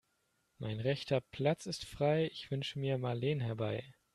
Mein rechter Platz ist frei, ich wünsche mir Marleen herbei.